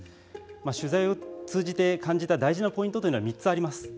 取材を通じて感じた大事なポイントというのは３つあります。